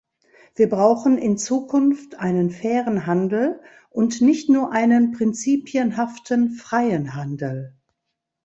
Wir brauchen in Zukunft einen fairen Handel und nicht nur einen prinzipienhaften freien Handel.